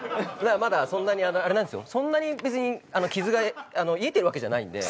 そんなに別に傷が癒えてるわけじゃないんで。